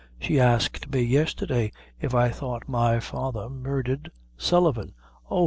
She asked me yestherday if I thought my father murdhered Sullivan." "Oh!